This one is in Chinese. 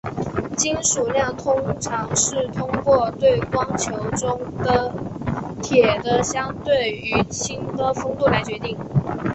金属量通常是通过对光球中铁的相对于氢的丰度来决定。